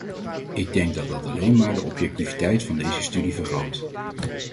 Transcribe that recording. Ik denk dat dat alleen maar de objectiviteit van deze studie vergroot.